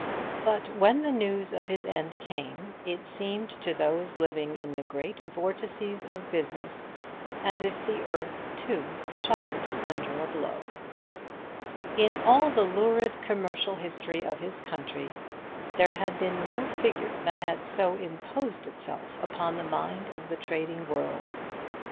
But when the news of his end came, it seemed to those living in the great vortices of business as if the earth, too, shuddered under a blow. In all the lurid commercial history of his country there had been no figure that had so imposed itself upon the mind of the trading world.